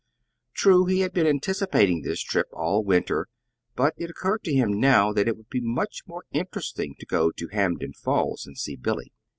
True, he had been anticipating this trip all winter; but it occurred to him now that it would be much more interesting to go to Hampden Falls and see Billy.